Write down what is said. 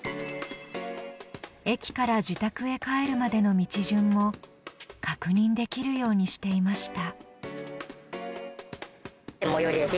駅から自宅へ帰るまでの道順も確認できるようにしていました。